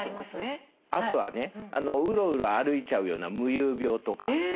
あとはねうろうろ歩いちゃうような夢遊病とか。